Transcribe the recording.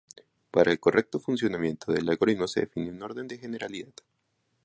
Para el correcto funcionamiento del algoritmo se define un orden de generalidad.